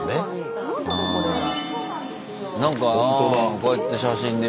こうやって写真で見ると。